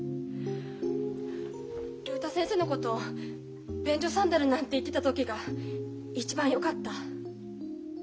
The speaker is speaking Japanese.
竜太先生のこと便所サンダルなんて言ってた時が一番よかった。